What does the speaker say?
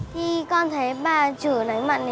thì con thấy bà chủ đánh bạn